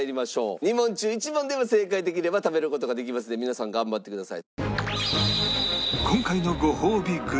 ２問中１問でも正解できれば食べる事ができますので皆さん頑張ってください。